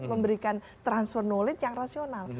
memberikan transfer knowledge yang rasional